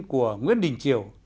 của nguyễn đình triều